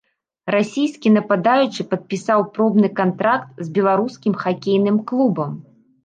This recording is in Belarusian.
Расійскі нападаючы падпісаў пробны кантракт з беларускім хакейным клубам.